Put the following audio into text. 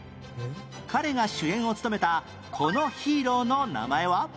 彼が主演を務めたこのヒーローの名前は？